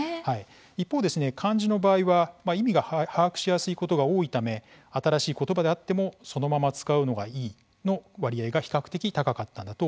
一方ですね、漢字の場合は意味が把握しやすいことが多いため、新しい言葉であってもそのまま使うのがいいの割合が比較的高かったんだと思います。